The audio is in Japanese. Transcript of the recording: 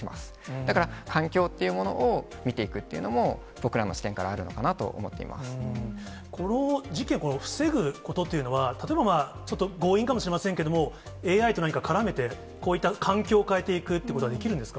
だから、環境っていうものを見ていくっていうのも、僕らの視点からあるのこの事件、防ぐことっていうのは、例えば、ちょっと強引かもしれませんけども、ＡＩと何か絡めて、こういった環境を変えていくということはできるんですか。